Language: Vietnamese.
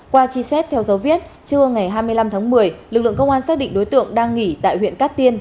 qua truy xét theo dấu viết trưa ngày hai mươi năm tháng một mươi lực lượng công an xác định đối tượng đang nghỉ tại huyện cát tiên